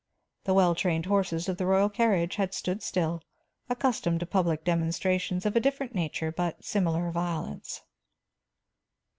The well trained horses of the royal carriage had stood still, accustomed to public demonstrations of a different nature but similar violence.